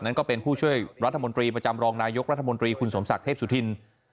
ก็เป็นผู้ช่วยรัฐมนตรีประจำรองนายกรัฐมนตรีคุณสมศักดิ์เทพสุธิน